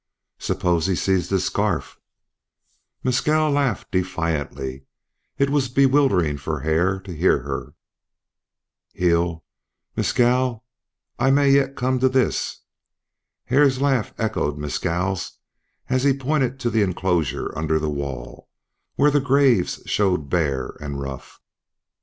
"Suppose he sees this scarf?" Mescal laughed defiantly. It was bewildering for Hare to hear her. "He'll Mescal, I may yet come to this." Hare's laugh echoed Mescal's as he pointed to the enclosure under the wall, where the graves showed bare and rough.